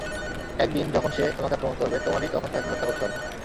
একদিন, যখন সে তোমাকে আক্রমণ করবে, তোমারই তখন তাকে হত্যা করতে হবে।